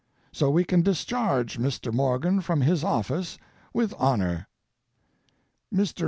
So we can discharge Mr. Morgan from his office with honor. Mr.